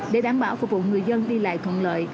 để đảm bảo phục vụ người dân đi lại thuận lợi